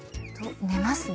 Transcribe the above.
寝ますね。